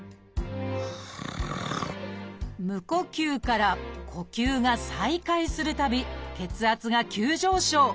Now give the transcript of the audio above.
無呼吸から呼吸が再開するたび血圧が急上昇。